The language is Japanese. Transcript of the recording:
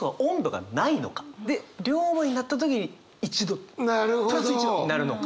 で両思いになった時に１度プラス１度になるのかな？